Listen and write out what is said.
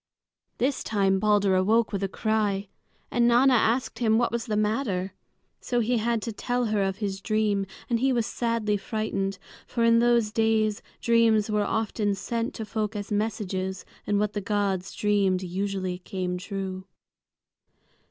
This time Balder awoke with a cry, and Nanna asked him what was the matter. So he had to tell her of his dream, and he was sadly frightened; for in those days dreams were often sent to folk as messages, and what the gods dreamed usually came true.